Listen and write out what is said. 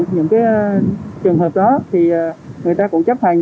những trường hợp đó thì người ta cũng chấp hành